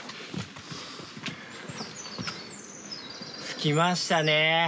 着きましたね。